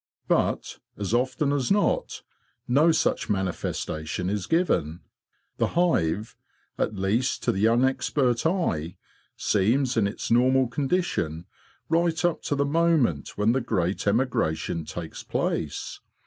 But, as often as not, no such manifestation is given. The hive, at least to the unexpert eye, seems in its normal condition right up to the moment when the great emigration takes place.